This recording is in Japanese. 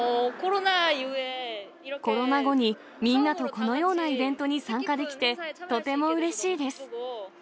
コロナ後に、みんなとこのようなイベントに参加できて、とてもうれしいです。